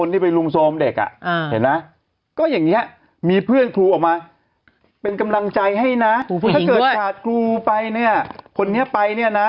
ถ้าเกิดครูออกมาเป็นกำลังใจให้นะถ้าเกิดจัดครูไปเนี่ยคนเนี่ยไปเนี่ยนะ